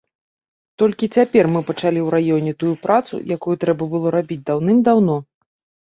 Толькі цяпер мы пачалі ў раёне тую працу, якую трэба было рабіць даўным-даўно.